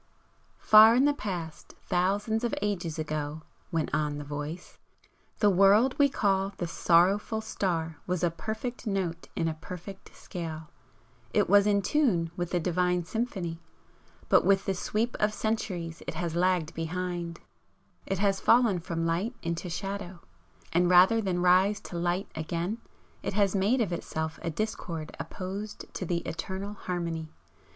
"Far in the Past, thousands of ages ago," went on the Voice "the world we call the Sorrowful Star was a perfect note in a perfect scale. It was in tune with the Divine Symphony. But with the sweep of centuries it has lagged behind; it has fallen from Light into Shadow. And rather than rise to Light again, it has made of itself a discord opposed to the eternal Harmony.